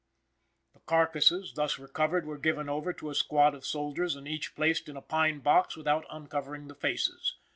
The carcasses thus recovered were given over to a squad of soldiers and each placed in a pine box without uncovering the faces.